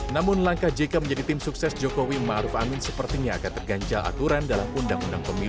namun langkah jk menjadi tim sukses jokowi ma'ruf amin sepertinya akan terganjal aturan dalam undang undang pemilu no tujuh tahun dua ribu sebelas